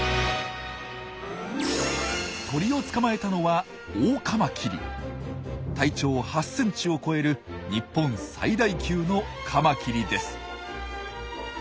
鳥を捕まえたのは体長８センチを超える日本最大級のカマキリです。